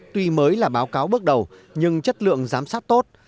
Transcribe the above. tuy mới là báo cáo bước đầu nhưng chất lượng giám sát tốt